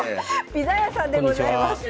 ピザ屋さんでございます。